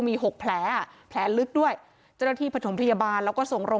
มีหกแผลแผลลึกด้วยใจเข้าที่ผสมพยาบาลแล้วก็สงรม